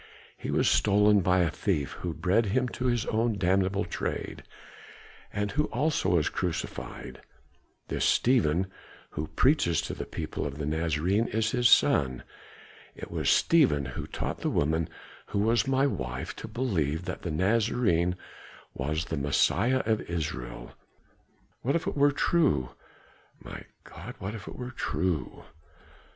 "He was stolen by a thief who bred him to his own damnable trade, and who also was crucified. This Stephen, who preaches to the people of the Nazarene, is his son. It was Stephen who taught the woman who was my wife to believe that the Nazarene was the Messiah of Israel. What if it were true! My God, if it were true!"